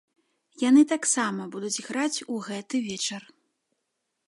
Яны таксама будуць граць у гэты вечар.